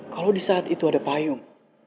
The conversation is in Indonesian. kalau disaat itu ada payung